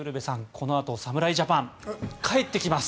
このあと侍ジャパンが帰ってきます！